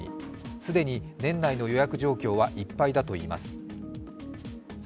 既に年内の予約状況はいっぱいだといいます。